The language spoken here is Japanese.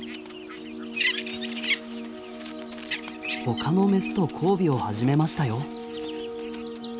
ほかのメスと交尾を始めましたよ。